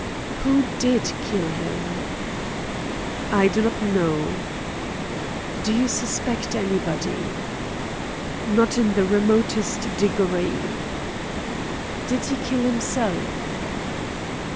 "Who did kill him?" "I do not know." "Do you suspect anybody?" "Not in the remotest degree." "Did he kill himself?"